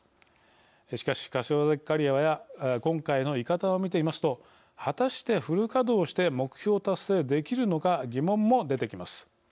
しかし、柏崎刈羽や今回の伊方をみてみますと果たしてフル稼働して目標達成できるのか疑問も出てきます。